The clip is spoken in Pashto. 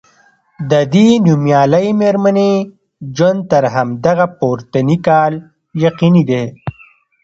د دې نومیالۍ میرمنې ژوند تر همدغه پورتني کال یقیني دی.